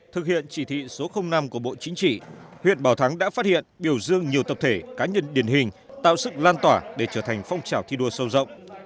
thực hiện chỉ thị số năm của bộ chính trị huyện bảo thắng đã phát hiện biểu dương nhiều tập thể cá nhân điển hình tạo sức lan tỏa để trở thành phong trào thi đua sâu rộng